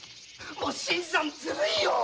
新さんずるいよ。